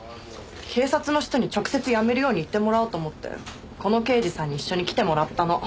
警察の人に直接やめるように言ってもらおうと思ってこの刑事さんに一緒に来てもらったの。